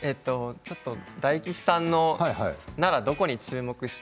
大吉さんならどこに注目して？